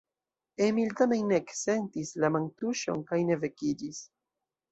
Emil tamen ne eksentis la mantuŝon kaj ne vekiĝis.